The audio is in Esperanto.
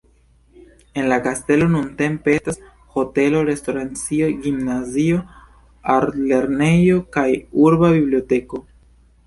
En la kastelo nuntempe estas hotelo, restoracio, gimnazio, artlernejo kaj urba biblioteko.